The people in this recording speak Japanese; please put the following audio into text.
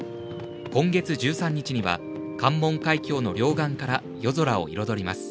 今月１３日には、関門海峡の両岸から夜空を彩ります。